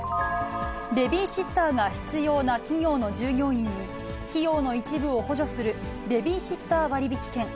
ベビーシッターが必要な企業の従業員に、費用の一部を補助するベビーシッター割引券。